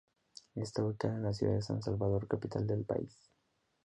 Está ubicada en la ciudad de San Salvador, capital del país.